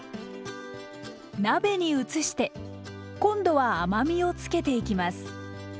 鍋に移して今度は甘みをつけていきます。